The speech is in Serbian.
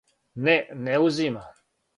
Не, не узима.